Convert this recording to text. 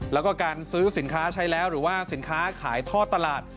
แล้วก็การซื้อสินค้าใช้แล้วหรือว่าสินค้าขายทอดตลาด